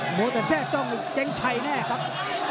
โหมดแต่แซ่จ้องอีกเจ้งชัยแน่ครับ